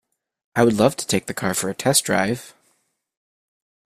I would love to take the car for a test drive.